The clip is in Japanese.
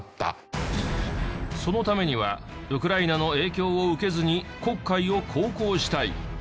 そのためにはウクライナの影響を受けずに黒海を航行したい。